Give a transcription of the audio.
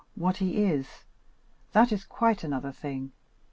what he is; that is quite another thing.